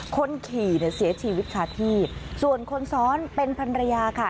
คนขี่เนี่ยเสียชีวิตคาที่ส่วนคนซ้อนเป็นพันรยาค่ะ